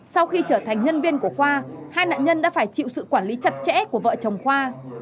sau khi trở thành nhân viên của khoa hai nạn nhân đã phải chịu sự quản lý chặt chẽ của vợ chồng khoa